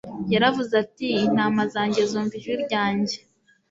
Yaravuze ati : «intama zajye zumva ijwi ryanjye ...